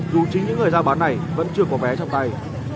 dù chính những người giao bán này vẫn chưa có vé trong tay